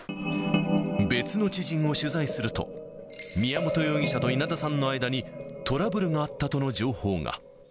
別の知人を取材すると、宮本容疑者と稲田さんとの間にトラブルがあったとの情報が。